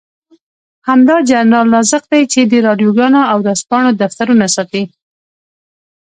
همدا جنرال رازق دی چې د راډيوګانو او ورځپاڼو دفترونه ساتي.